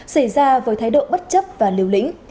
xảy ra với thái độ bất chấp và liều lĩnh